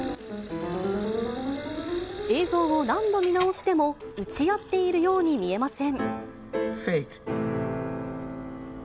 映像を何度見直しても、撃ち合っているように見えません。